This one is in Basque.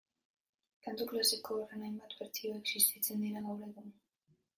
Kantu klasiko horren hainbat bertsio existitzen dira gaur egun